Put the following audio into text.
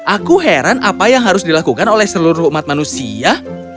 aku heran apa yang harus dilakukan oleh seluruh umat manusia